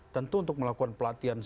tentu untuk melakukan pelatihan